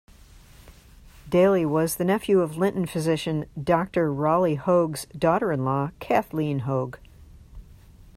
Daly was the nephew of Linton physician Doctor Rolly Hogue's daughter-in-law Kathleen Hogue.